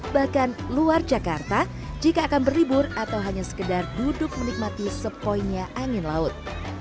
bahkan luar jakarta jika akan berlibur atau hanya sekedar duduk menikmati sepoinya angin laut